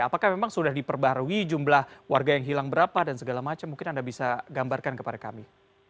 apakah memang sudah diperbarui jumlah warga yang hilang berapa dan segala macam mungkin anda bisa gambarkan kepada kami